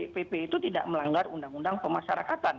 pp itu tidak melanggar undang undang pemasarakatan